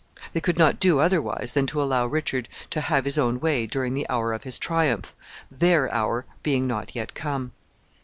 They could not do otherwise than to allow Richard to have his own way during the hour of his triumph, their hour being not yet come.